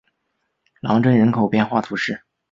朗镇人口变化图示